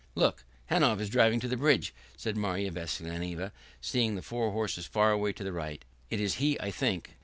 "Look, Hanov is driving to the bridge," said Marya Vassilyevna, seeing the four horses far away to the right. "It is he, I think."